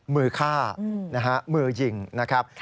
มือฆ่านะฮะมือยิงนะครับ